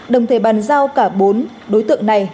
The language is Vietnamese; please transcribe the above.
đồng thời bàn giao cả bốn đối tượng này